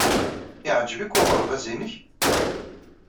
Yeɛjeb-ik uɣerbaz-nnek?